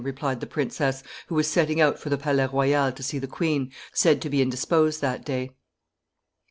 replied the princess, who was setting out for the Palais Royal to see the queen, said to be indisposed that day.